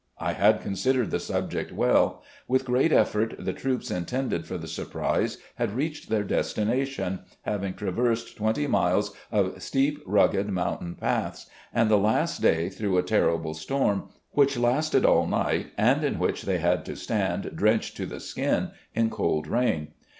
I had considered the subject well. With great effort the troops intended for the surprise had reached their destination, having traversed twenty miles of steep, rugged moimtain paths; and the last day through a terrible storm, which lasted all night, and in which they had to stand drenched to the skin in cold rain.